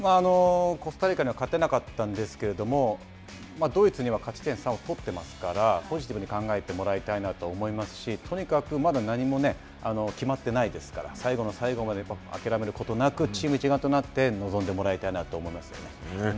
コスタリカには勝てなかったんですけれども、ドイツには勝ち点３を取っていますから、ポジティブに考えてもらいたいなと思いますし、とにかくまだ何も決まってないですから、最後の最後まで諦めることなく、チーム一丸となって臨んでもらいたいなと思いますよね。